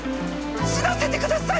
死なせてください！！